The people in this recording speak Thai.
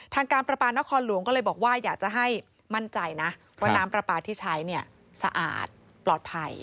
ทางการประปานครหลวงก็เลยบอกว่าอยากจะให้มั่นใจนะว่าน้ำปลาปลาที่ใช้เนี่ยสะอาดปลอดภัย